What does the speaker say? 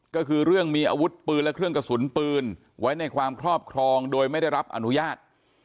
ก็คือเรื่องมีอาวุธปืนและเครื่องกระสุนปืนไว้ในความครอบครองโดยไม่ได้รับอนุญาต